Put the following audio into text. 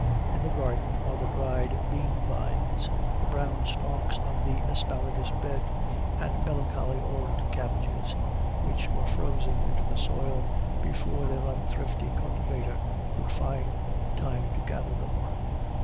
In the garden are the dried bean vines, the brown stalks of the asparagus bed, and melancholy old cabbages which were frozen into the soil before their unthrifty cultivator could find time to gather them.